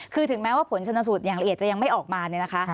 คือถึงแม้ว่าผลชนสูตรอย่างละเอียดจะยังไม่ออกมาเนี่ยนะคะ